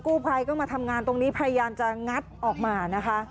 กู้ภัยก็มาทำงานตรงนี้พยายามจะงัดออกมานะคะ